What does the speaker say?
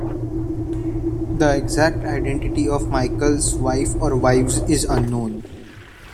The exact identity of Michael's wife or wives is unknown.